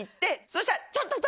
そしたら。